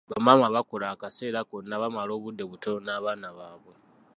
Bamaama abakola akaseera konna bamala obudde butono n'abaana baabwe.